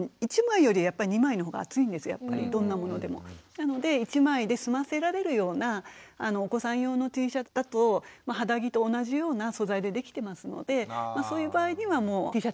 なので１枚で済ませられるようなお子さん用のＴシャツだと肌着と同じような素材でできてますのでそういう場合にはＴシャツ１枚ですね。